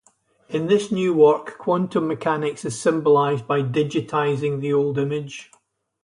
In this new work, quantum mechanics is symbolized by "digitizing" the old image.